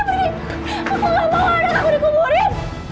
aku gak mau anak aku dikuburin